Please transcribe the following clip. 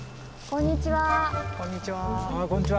こんにちは。